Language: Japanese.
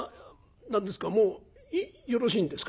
何ですかもうよろしいんですか？